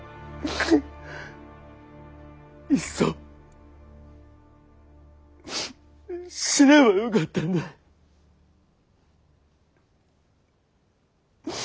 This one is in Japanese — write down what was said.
いっそ死ねばよかったんだい。